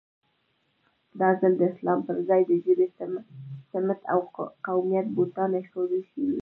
دا ځل د اسلام پر ځای د ژبې، سمت او قومیت بوتان اېښودل شوي.